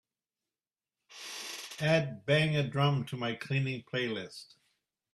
add bang a drum to my cleaning playlist